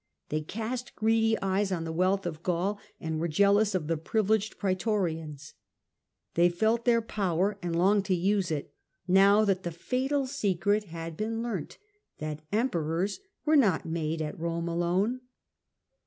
They cast greedy eyes on the wealth of Gaul, and were jealous of the privileged praetorians ; they felt their power and longed to use it, now that the fatal secret had been learnt, that emperors were not made at Rome alone.